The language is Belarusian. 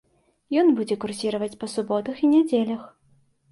Ён будзе курсіраваць па суботах і нядзелях.